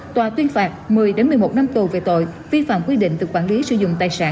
tòa tuyên phạt một mươi một mươi một năm tù về tội vi phạm quy định về quản lý sử dụng tài sản